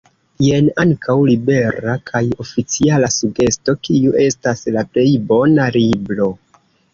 Jen ankaŭ libera kaj oficiala sugesto kiu estas “la plej bona libro”.